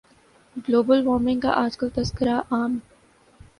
global warming کا آج کل تذکرہ عام